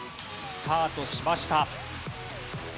スタートしました。